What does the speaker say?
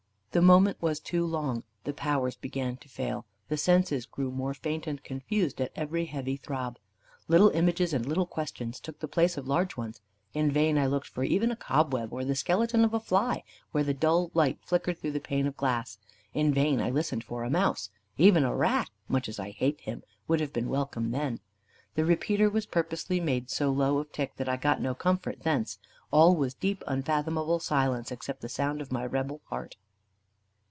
The moment was too long; the powers began to fail, the senses grew more faint and confused at every heavy throb. Little images and little questions took the place of large ones. In vain I looked for even a cobweb, or the skeleton of a fly, where the dull light flickered through the pane of glass. In vain I listened for a mouse. Even a rat (much as I hate him) would have been welcome then. The repeater was purposely made so low of tick, that I got no comfort thence. All was deep, unfathomable silence, except the sound of my rebel heart.